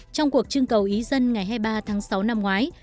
trong cuộc trưng cầu ý dân ngày hai mươi ba tháng sáu năm ngoái